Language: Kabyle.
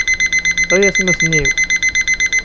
Ay atmaten-iw!